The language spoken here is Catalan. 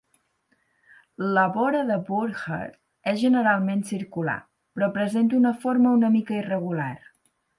La vora de Burckhardt és generalment circular, però presenta una forma una mica irregular.